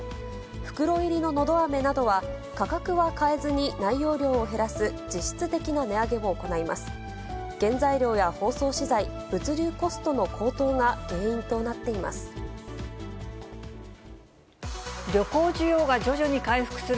袋入りののどあめなどは、価格は変えずに、内容量を減らす実質的な値上げを行います。